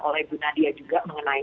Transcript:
oleh bu nadia juga mengenai